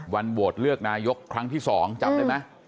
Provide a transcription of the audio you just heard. โหวตเลือกนายกครั้งที่๒จำได้ไหม